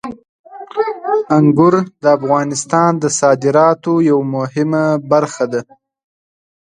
انګور د افغانستان د صادراتو یوه مهمه برخه ده.